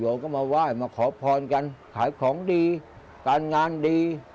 ก็มาไหว้มาขอพรกันขายของดีการงานดี